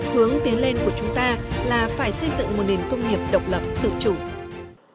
hướng tiến lên của chúng ta là phải xây dựng một nền công nghiệp độc lập tự chủ